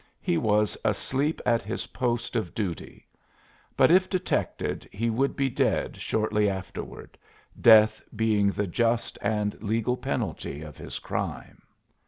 He was asleep at his post of duty. But if detected he would be dead shortly afterward, death being the just and legal penalty of his crime.